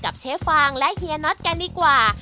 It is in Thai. เชฟฟางและเฮียน็อตกันดีกว่า